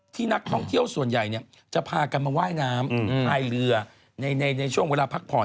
ที่นักท่องเที่ยวส่วนใหญ่จะพากันมาว่ายน้ำพายเรือในช่วงเวลาพักผ่อน